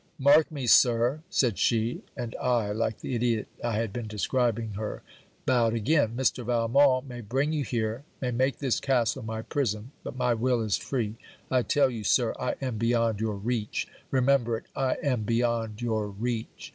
'Mark me, Sir,' said she, and I, like the idiot I had been describing her, bowed again: 'Mr. Valmont may bring you here; may make this castle my prison; but my will is free. I tell you, Sir, I am beyond your reach. Remember it, I am beyond your reach.'